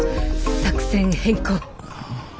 作戦変更。